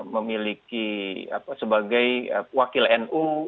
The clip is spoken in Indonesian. memiliki apa sebagai wakil nu